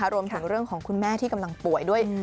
รวมถึงเรื่องของคุณแม่ที่กำลังป่วยด้วย